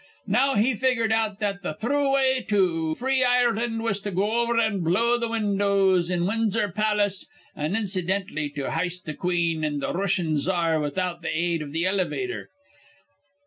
Now he figured out that th' thrue way to free Ireland was to go over an' blow th' windows in Winzer Palace, an' incidentally to hist th' queen an' th' Rooshian cza ar without th' aid iv th' elevator.